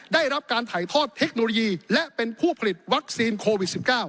ได้รับการถ่ายทอดเทคโนโลยีและเป็นผู้ผลิตวัคซีนโควิด๑๙